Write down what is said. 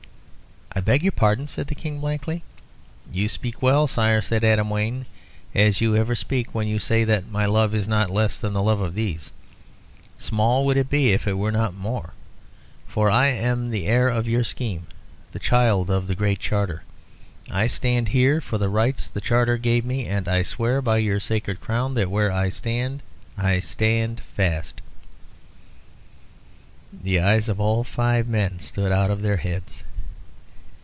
"I beg your pardon," said the King, blankly. "You speak well, sire," said Adam Wayne, "as you ever speak, when you say that my love is not less than the love of these. Small would it be if it were not more. For I am the heir of your scheme the child of the great Charter. I stand here for the rights the Charter gave me, and I swear, by your sacred crown, that where I stand, I stand fast." [Illustration: "I BRING HOMAGE TO MY KING."] The eyes of all five men stood out of their heads.